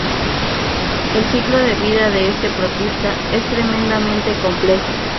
El ciclo de vida de este protista es tremendamente complejo.